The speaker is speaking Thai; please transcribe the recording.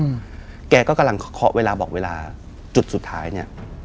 อืมแกก็กำลังเคาะเวลาบอกเวลาจุดสุดท้ายเนี้ย